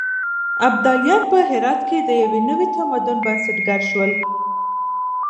ابداليان په هرات کې د يو نوي تمدن بنسټګر شول.